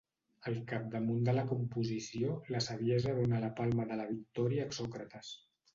Al capdamunt de la composició, la Saviesa dóna la palma de la victòria a Sòcrates.